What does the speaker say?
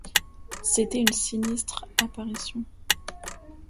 C’était une sinistre apparition.